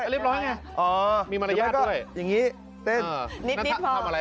เรียบร้อยไงอ๋อมีมารยาทด้วยอย่างงี้เต้นนิดนิดพอนั่นทำอะไร